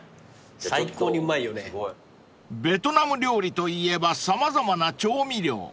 ［ベトナム料理といえば様々な調味料］